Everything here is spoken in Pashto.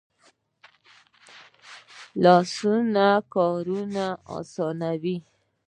لاسونه کارونه آسانوي